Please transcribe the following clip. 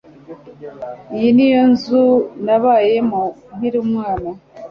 Iyi niyo nzu nabayemo nkiri umwana.